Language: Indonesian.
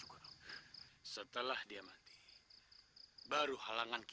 kemana mana aduh oke bos